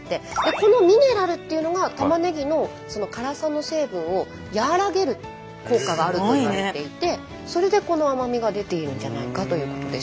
このミネラルっていうのがたまねぎの辛さの成分を和らげる効果があるといわれていてそれでこの甘みが出ているんじゃないかということです。